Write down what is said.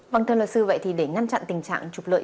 vâng thưa luật sư vậy thì để ngăn chặn tình trạng trục lợi